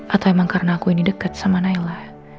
atau emang karena aku ini dekat sama naila